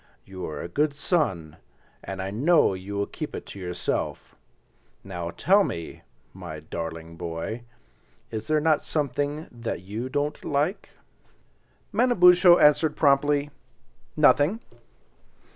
"You are a good son, and I know you will keep it to yourself. Now tell me, my darling boy, is there not something that you don't like?" Manabozho answered promptly—"Nothing."